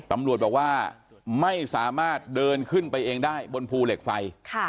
ตำรวจบอกว่าไม่สามารถเดินขึ้นไปเองได้บนภูเหล็กไฟ